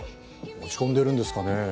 落ち込んでるんですかね？